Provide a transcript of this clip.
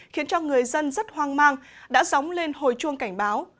khiến cho người dân rất hoang mang đã dóng lên hồi chuông cảnh báo